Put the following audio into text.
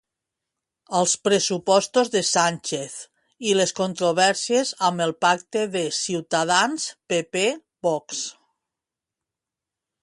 Els pressupostos de Sánchez i les controvèrsies amb el pacte de Cs-PP-Vox.